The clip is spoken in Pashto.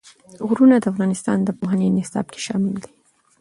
غرونه د افغانستان د پوهنې نصاب کې شامل دي.